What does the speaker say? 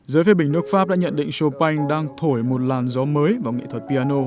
giới phê bình nước pháp đã nhận định chopin đang thổi một làn gió mới vào nghị thuật piano